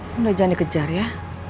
kamu jangan dikejar ya